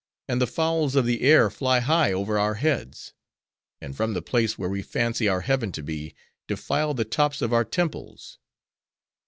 And the fowls of the air fly high over our heads; and from the place where we fancy our heaven to be, defile the tops of our temples.